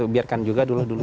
biarkan juga dulu dulu